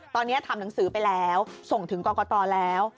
ตอนนี้ทำหนังสือไปแล้วส่งถึงกรกตแล้ว